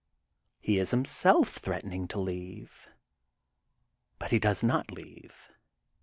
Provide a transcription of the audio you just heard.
He is himself threatening to leave. But he does not leave.